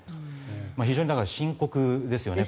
非常に深刻ですよね。